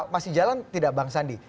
masih jalan tidak bang sandi